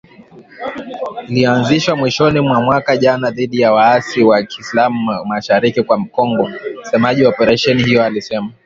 iliyoanzishwa mwishoni mwa mwaka jana dhidi ya waasi wa kiislam mashariki mwa Kongo msemaji wa operesheni hiyo alisema